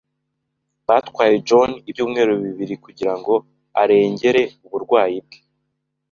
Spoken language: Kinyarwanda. Byatwaye John ibyumweru bibiri kugirango arengere uburwayi bwe.